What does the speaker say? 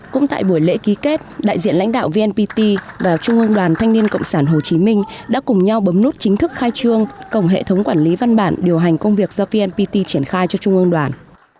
cũng tại buổi lễ ký kết đại diện lãnh đạo vnpt và trung ương đoàn thanh niên cộng sản hồ chí minh đã cùng nhau bấm nút chính thức khai trương cổng hệ thống quản lý văn bản điều hành công việc do vnpt triển khai cho trung ương đoàn